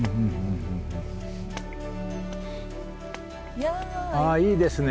いやいいですね。